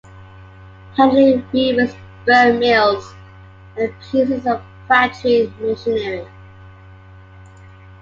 Handloom weavers burned mills and pieces of factory machinery.